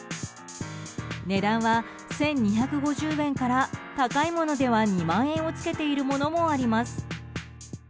値段は１２５０円から高いものでは２万円をつけているものもあります。